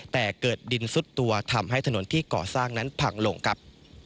แต่เกิดดินซุดตัวทำให้ถนนที่ก่อสร้างนั้นพังลงครับ